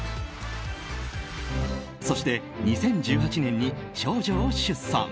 そして、２０１８年に長女を出産。